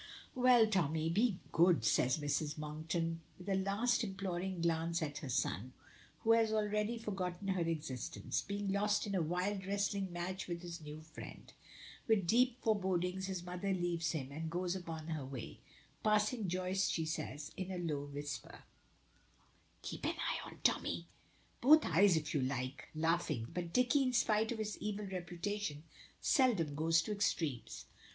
"Well, Tommy, be good!" says Mrs. Monkton with a last imploring glance at her son, who has already forgotten her existence, being lost in a wild wrestling match with his new friend. With deep forebodings his mother leaves him and goes upon her way. Passing Joyce, she says in a low whisper: "Keep an eye on Tommy." "Both eyes if you like," laughing. "But Dicky, in spite of his evil reputation, seldom goes to extremes."